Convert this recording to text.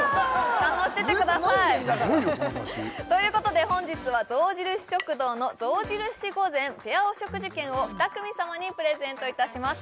スゴいよこの出汁ということで本日は象印食堂の象印御膳ペアお食事券を２組様にプレゼントいたします